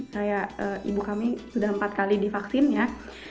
kayak ibu kami sudah empat kali divaksin ya